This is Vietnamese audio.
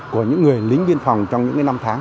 của những người lính biên phòng trong những năm tháng